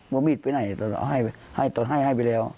ว่ามีดไปไหนตอนให้ไปแล้ว